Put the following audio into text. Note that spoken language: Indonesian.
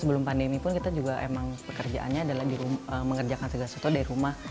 sebelum pandemi pun kita juga emang pekerjaannya adalah mengerjakan segala sesuatu dari rumah